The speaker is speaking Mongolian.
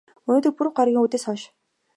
Өнгөрсөн пүрэв гаригийн үдээс хойш.